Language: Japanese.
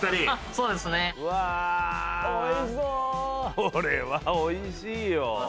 うわこれはおいしいよ。